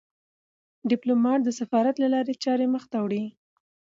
ډيپلومات د سفارت له لارې چارې مخ ته وړي.